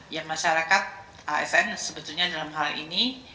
yang masyarakat asn sebetulnya dalam hal ini